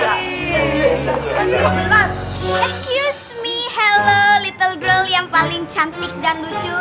excuse me hello little girl yang paling cantik dan lucu